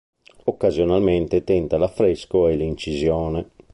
Occasionalmente tenta l’affresco e l’incisione.